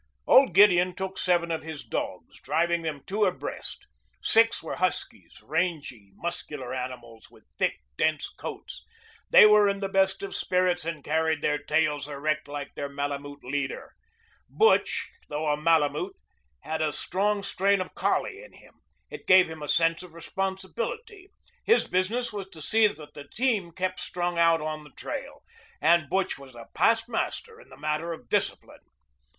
Old Gideon took seven of his dogs, driving them two abreast. Six were huskies, rangy, muscular animals with thick, dense coats. They were in the best of spirits and carried their tails erect like their Malemute leader. Butch, though a Malemute, had a strong strain of collie in him. It gave him a sense of responsibility. His business was to see that the team kept strung out on the trail, and Butch was a past master in the matter of discipline.